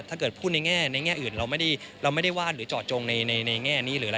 ถ้าเกิดพูดในแง่อื่นเราไม่ได้วาดหรือเจาะจงในแง่นี้